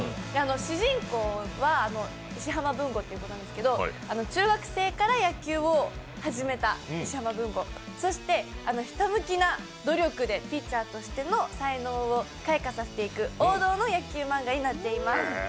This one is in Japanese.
主人公は石浜文吾という子なんですけど、中学生から野球を始めた石浜文吾、そしてひたむきな努力でピッチャーとしての才能を開花させる王道の野球漫画になっています。